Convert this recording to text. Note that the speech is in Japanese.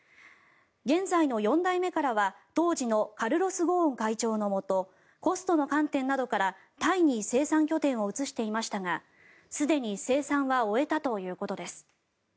現在の４代目からは、当時のカルロス・ゴーン会長のもとコストの観点などから、タイに生産拠点を移していましたがすでに生産は終えたということです。